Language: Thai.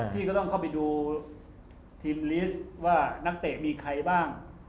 พี่ก็ต้องเข้าไปดูทีมลิสต์ว่านักเตะมีใครบ้าง